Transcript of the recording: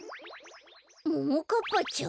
ももかっぱちゃん。